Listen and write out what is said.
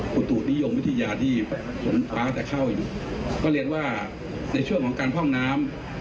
ตุนิยมวิทยาที่ฝนฟ้าจะเข้าอยู่ก็เรียนว่าในช่วงของการพร่องน้ำ